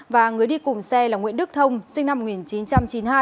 và người đi cùng xe là nguyễn đức thông sinh năm một nghìn chín trăm chín mươi hai